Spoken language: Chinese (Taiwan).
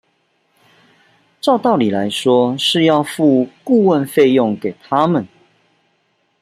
照道理來說是要付顧問費用給他們